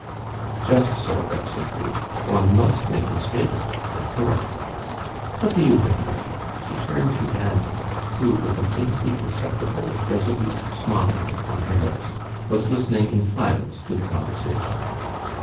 "Just so," Betsy agreed; "one must make mistakes and correct them. What do you think about it?" she turned to Anna, who, with a faintly perceptible resolute smile on her lips, was listening in silence to the conversation.